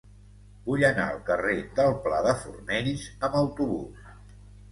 Vull anar al carrer del Pla de Fornells amb autobús.